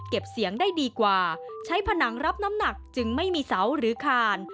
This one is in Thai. เสียงได้ดีกว่าใช้ผนังรับน้ำหนักจึงไม่มีเสาหรือคาน